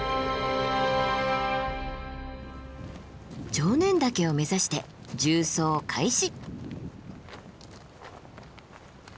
常念岳を目指して縦走開始。